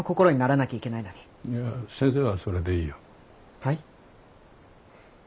はい？